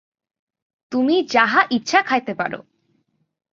তুমি যাহা ইচ্ছা খাইতে পার।